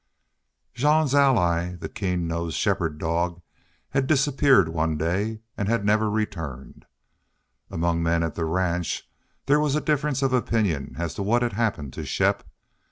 Jean's ally, the keen nosed shepherd clog, had disappeared one day, and had never returned. Among men at the ranch there was a difference of opinion as to what had happened to Shepp.